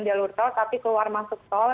jalur tol tapi keluar masuk tol